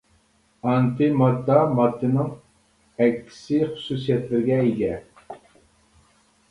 ئانتى ماددا ماددىنىڭ ئەكسى خۇسۇسىيەتلىرىگە ئىگە.